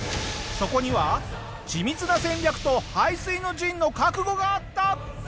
そこには緻密な戦略と背水の陣の覚悟があった！